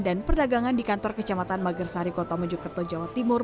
dan perdagangan di kantor kecamatan magersari kota menjukerto jawa timur